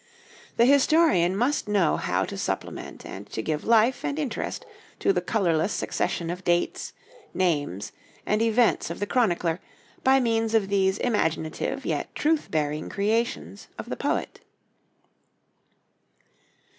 The historian must know how to supplement and to give life and interest to the colorless succession of dates, names, and events of the chronicler, by means of these imaginative yet truth bearing creations of the poet.